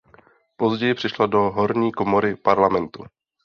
Později přešla do horní komory parlamentu.